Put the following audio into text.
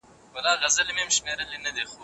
د استاد په شاعرۍ کې مینه او سیاست دواړه شته دي.